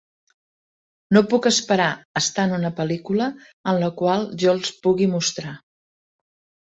No puc esperar a estar en una pel·lícula en la qual jo els pugui mostrar.